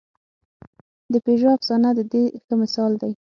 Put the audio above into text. د پېژو افسانه د دې ښه مثال دی.